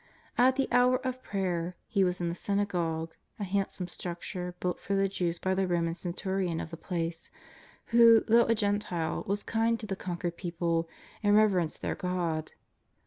At the hour of prayer He was in the synagogue, a handsome structure built for the Jews by the Roman centurion of the place, who, though a Gentile, was kind to the conquered people, and reverenced their God.